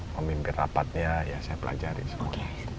memimpin rapatnya ya saya pelajari semua